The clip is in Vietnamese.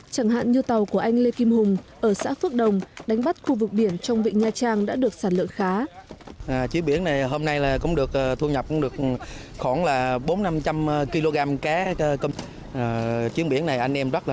chẳng hạn như tàu của anh lê kim hùng ở xã phước đồng đánh bắt khu vực biển trong vịnh nha trang đã được sản lượng khá